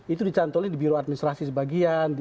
itu dicantoli di biro administrasi sebagian